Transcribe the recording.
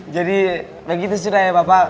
jadi begitu sudah ya bapak